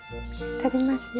とりますよ。